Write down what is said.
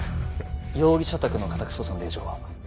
容疑者宅の家宅捜査の令状は？